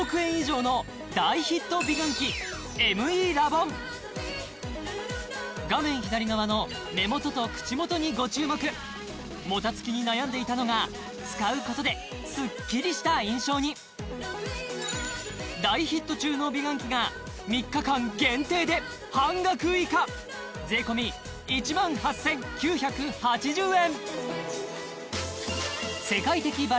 美顔器画面左側の目元と口元にご注目もたつきに悩んでいたのが使うことでスッキリした印象に大ヒット中の美顔器が３日間限定で半額以下税込１８９８０円